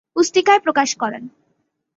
পুস্তিকায় প্রকাশ করেন।